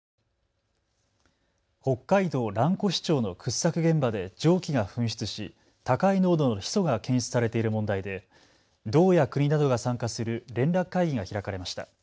北海道蘭越町の掘削現場で蒸気が噴出し高い濃度のヒ素が検出されている問題で道や国などが参加する連絡会議が開かれました。